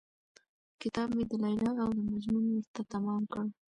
كتاب مې د ليلا او د مـجنون ورته تمام كړ.